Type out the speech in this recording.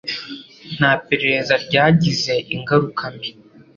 nta perereza ryagize ingaruka mbi"